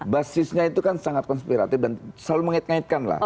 basisnya itu kan sangat konspiratif dan selalu mengait ngaitkan lah